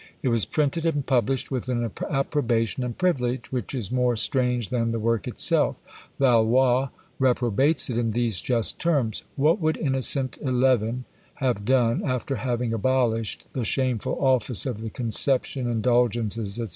It was printed and published with an approbation and privilege, which is more strange than the work itself. Valois reprobates it in these just terms: "What would Innocent XI. have done, after having abolished the shameful _Office of the Conception, Indulgences, &c.